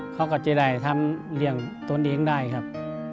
เขาก็จะได้ทำเลี้ยงตนเองได้ครับ